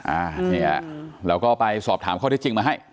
อ่าเนี่ยเราก็ไปสอบถามข้อที่จริงมาให้